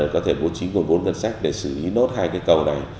có thể bố trí nguồn vốn ngân sách để xử lý nốt hai cây cầu này